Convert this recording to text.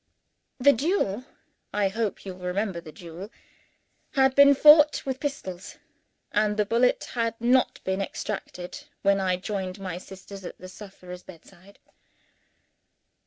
The duel (I hope you remember the duel?) had been fought with pistols; and the bullet had not been extracted when I joined my sisters at the sufferer's bedside.